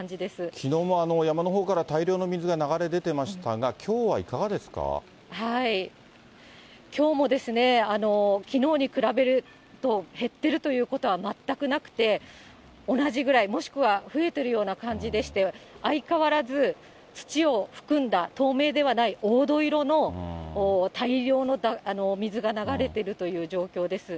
きのうも山のほうから大量の水が流れ出てましたが、きょうはきょうも、きのうに比べると減ってるということは全くなくて、同じぐらい、もしくは増えてるような感じでして、相変わらず、土を含んだ、透明ではない黄土色の大量の水が流れてるという状況です。